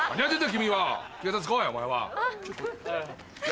君は警察来いお前は。